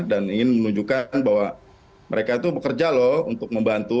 dan ingin menunjukkan bahwa mereka itu bekerja untuk membantu